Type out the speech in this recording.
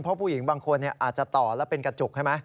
เพราะผู้หญิงบางคนอาจจะต่อแล้วเป็นกระจุกใช่ไหม